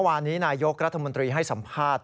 วันนี้นายกรัฐมนตรีให้สัมภาษณ์